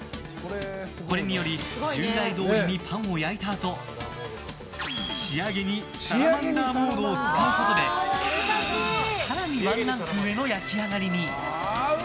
これにより従来どおりにパンを焼いたあと仕上げにサラマンダーモードを使うことで更にワンランク上の焼き上がりに。